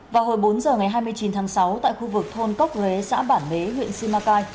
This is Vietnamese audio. vào hồi bốn giờ ngày hai mươi chín tháng sáu tại khu vực thôn cốc rế xã bản huế huyện simacai